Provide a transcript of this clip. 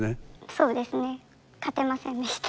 そうですね勝てませんでした。